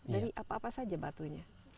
dari apa apa saja batunya